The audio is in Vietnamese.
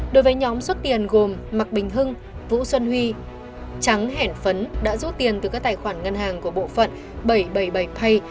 đối với nhóm suất tiền gồm mạc bình hưng vũ xuân huy trắng hẻn phấn đã rút tiền từ các tài khoản ngân hàng của bộ phận bảy trăm bảy mươi bảy pay